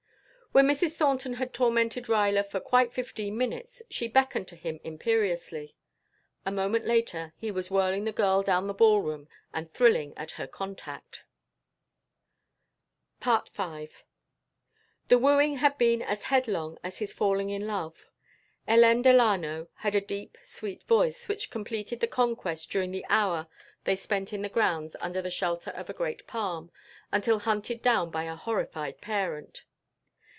When Mrs. Thornton had tormented Ruyler for quite fifteen minutes she beckoned to him imperiously. A moment later he was whirling the girl down the ball room and thrilling at her contact. V The wooing had been as headlong as his falling in love. Hélène Delano had a deep sweet voice, which completed the conquest during the hour they spent in the grounds under the shelter of a great palm, until hunted down by a horrified parent.